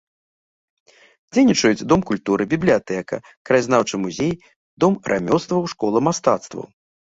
Дзейнічаюць дом культуры, бібліятэка, краязнаўчы музей, дом рамёстваў, школа мастацтваў.